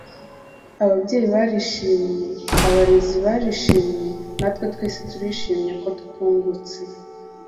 ababyeyi barishimye, abarezi barishimye, natwe twese turishimye ko twungutse